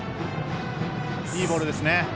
いいボールですね。